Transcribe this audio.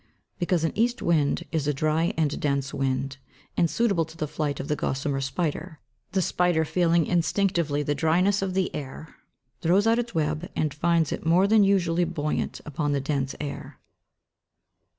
_ Because an east wind is a dry and dense wind, and suitable to the flight of the gossamer spider; the spider feeling instinctively the dryness of the air, throws out its web, and finds it more than usually buoyant upon the dense air.